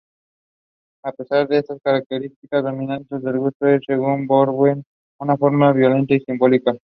Aceptar estas características dominantes del gusto es, según Bourdieu, una forma de "violencia simbólica".